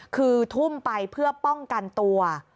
คือทุ่มไปเพื่อป้องกันตัว